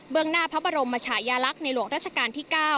งหน้าพระบรมมชายาลักษณ์ในหลวงราชการที่๙